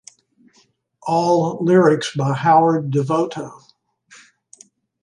All lyrics by Howard Devoto.